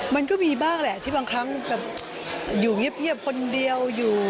มันก็มีบ้างแหละที่บางครั้งแบบอยู่เงียบคนเดียวอยู่